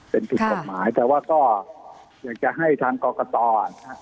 เป็นภิกฎหมายแต่ว่าก็อยากจะให้ทางกรกฎอ่ะ